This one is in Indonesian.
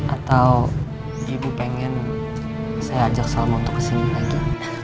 atau ibu pengen saya ajak salmo untuk kesini lagi